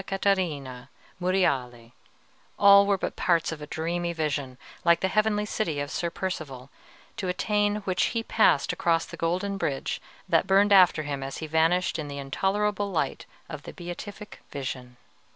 Catarina, Monreale, all were but parts of a dreamy vision, like the heavenly city of Sir Percivale, to attain which he passed across the golden bridge that burned after him as he vanished in the intolerable light of the Beatific Vision.